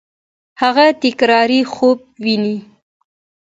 هغه تکراري خوب ویني.